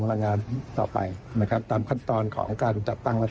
ว่าความเป็นไปได้เรื่องของการลดราคาพลังงาน